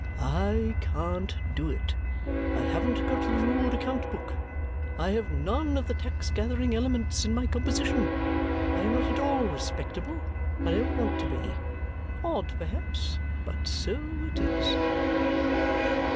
I can't do it. I haven't got the ruled account book, I have none of the tax gathering elements in my composition, I am not at all respectable, and I don't want to be. Odd perhaps, but so it is!"